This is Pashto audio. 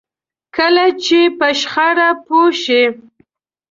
کله چې په شخړه پوه شئ.